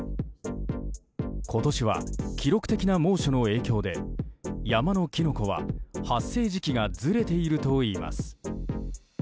今年は記録的な猛暑の影響で山のキノコは発生時期がずれているといいます。